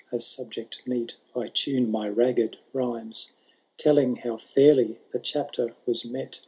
As subject ineet, I tune my rugged rhymes. Telling how &irly the chapter was met.